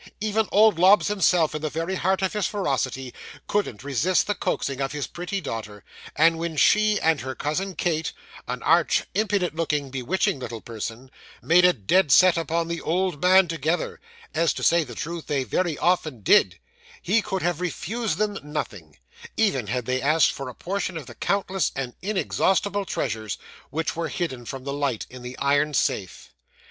Even old Lobbs himself, in the very height of his ferocity, couldn't resist the coaxing of his pretty daughter; and when she, and her cousin Kate an arch, impudent looking, bewitching little person made a dead set upon the old man together, as, to say the truth, they very often did, he could have refused them nothing, even had they asked for a portion of the countless and inexhaustible treasures, which were hidden from the light, in the iron safe.